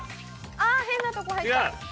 あっ変なとこ入った。